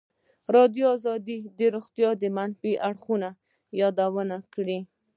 ازادي راډیو د روغتیا د منفي اړخونو یادونه کړې.